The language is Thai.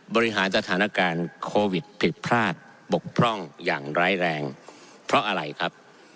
บริหารสถานการณ์โควิดผิดพลาดบกพร่องอย่างร้ายแรงเพราะอะไรครับ